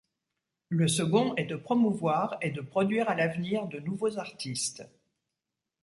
Le second est de promouvoir et de produire à l'avenir de nouveaux artistes.